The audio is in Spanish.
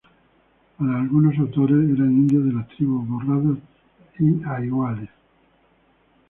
Para algunos autores eran indios de las tribus Borrados y A iguales.